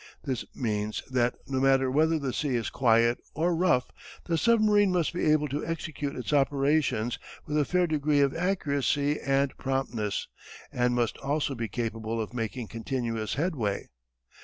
This means that no matter whether the sea is quiet or rough the submarine must be able to execute its operations with a fair degree of accuracy and promptness and must also be capable of making continuous headway.